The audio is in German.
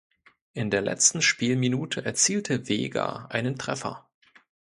In der letzten Spielminute erzielte Wäger einen Treffer.